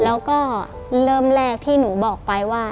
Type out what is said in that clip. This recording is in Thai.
แล้วก็เริ่มแรกที่หนูบอกไปว่า